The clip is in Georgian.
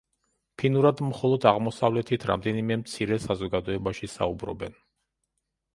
ფინურად მხოლოდ აღმოსავლეთით რამდენიმე მცირე საზოგადოებაში საუბრობენ.